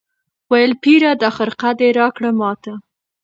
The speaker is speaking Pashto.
ویل پیره دا خرقه دي راکړه ماته